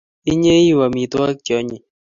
Inye ii u amitwogik che anyiny